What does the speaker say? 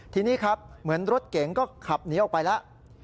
ทีนี้ครับเหมือนรถเก๋งก็ขับหนีออกไปแล้ว